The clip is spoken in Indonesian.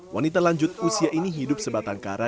wanita lanjut usia ini hidup sebatang kara